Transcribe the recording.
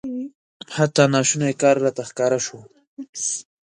حتی ناشونی کار راته ښکاره سو.